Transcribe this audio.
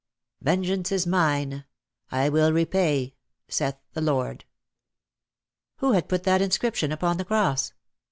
Vengeance is mine: I will repay, saith the Lobd." Who had put that inscription upon the cross